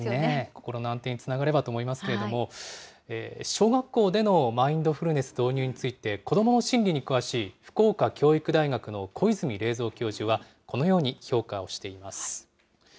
心の安定につながればと思いますけれども、小学校でのマインドフルネス導入について、子どもの心理に詳しい福岡教育大学の小泉令三教授は、このように評価をしています。